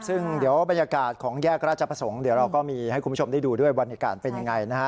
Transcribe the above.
ซึ่งเดี๋ยวบรรยากาศของแยกราชประสงค์เดี๋ยวเราก็มีให้คุณผู้ชมได้ดูด้วยบรรยากาศเป็นยังไงนะฮะ